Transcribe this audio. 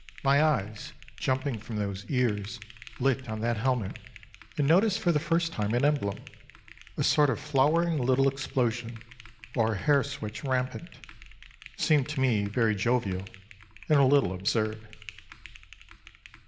My eyes, jumping from those ears, lit on that helmet and noticed for the first time an emblem, a sort of flowering little explosion, or hair switch rampant. It seemed to me very jovial and a little absurd.